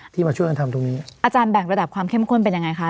มาช่วยกันทำตรงนี้อาจารย์แบ่งระดับความเข้มข้นเป็นยังไงคะ